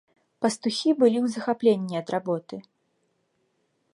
Пастухі былі ў захапленні ад работы.